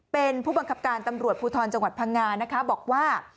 เป็นผู้บังคับการตำรวจภูทรจังหวัดพังงานะคะบอกว่า